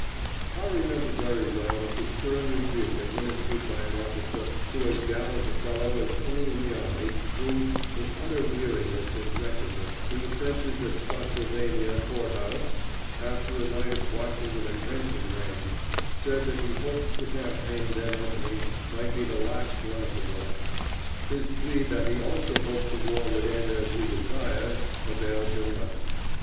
I remember very well the stern rebuke administered by an officer to as gallant a fellow as any in the army, who, in utter weariness and wretchedness, in the trenches at Spottsylvania Court House, after a night of watching in a drenching rain, said that he hoped the campaign then opening might be the last one of the war. His plea that he also hoped the war would end as we desired availed him nothing.